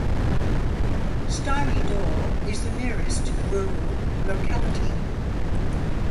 Stary Dor is the nearest rural locality.